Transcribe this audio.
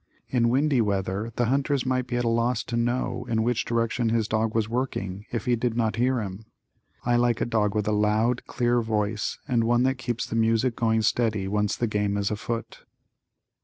In windy weather, the hunters might be at a loss to know in which direction his dog was working, if he did not hear him. I like a dog with a loud, clear voice and one that keeps the music going steady once the game is afoot.